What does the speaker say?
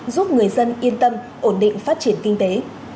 giúp người dân yên tâm ổn định phát triển kinh tế